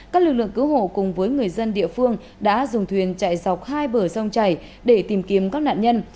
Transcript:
các lực lượng cứu hộ cùng với người dân địa phương đã dùng thuyền chạy dọc hai bờ sông chảy để tìm kiếm các nạn nhân